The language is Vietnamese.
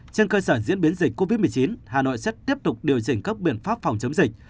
trên cơ sở diễn biến dịch covid một mươi chín hà nội sẽ tiếp tục điều chỉnh các biện pháp phòng chống dịch